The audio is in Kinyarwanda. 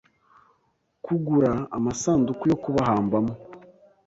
kugura amasanduku yo kubahambamo